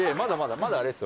まだあれですよ。